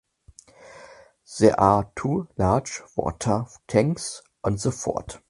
There are two large water tanks on the fort.